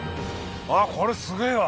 あっこれすげえわ！